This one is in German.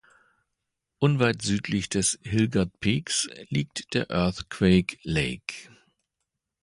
Unweit südlich des Hilgard Peaks liegt der Earthquake Lake.